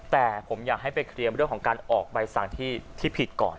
แต่ผมอยากให้ไปเคลียร์เรื่องของการออกใบสั่งที่ผิดก่อน